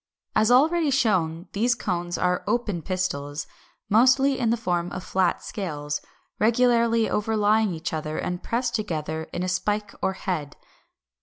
As already shown (313), these cones are open pistils, mostly in the form of flat scales, regularly overlying each other, and pressed together in a spike or head.